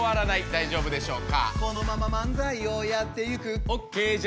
大丈夫でしょうか？